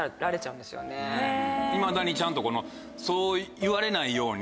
いまだにちゃんとそう言われないように。